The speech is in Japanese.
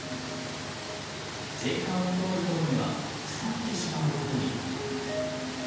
税関を通るころには腐ってしまうことに。